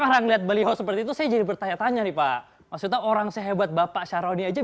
orang lihat baliho seperti itu saya jadi bertanya tanya nih pak maksudnya orang sehebat bapak syahroni aja